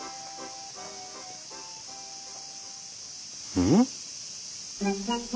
うん？